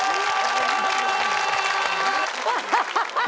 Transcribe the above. アハハハ！